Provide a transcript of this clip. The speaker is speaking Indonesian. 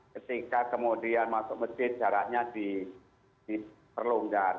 ketika kemudian masuk masjid jaraknya diperlonggar